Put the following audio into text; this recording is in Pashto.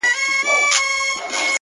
شرجلال مي ته په خپل جمال کي کړې بدل